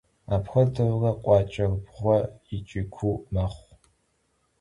Apxuedeure khuaç'er bğue yiç'i kuu mexhu.